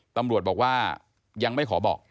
ตำรวจบอกว่ายังไม่ขอบอก